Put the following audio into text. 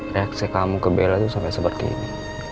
reaksi kamu ke bella itu sampai seperti ini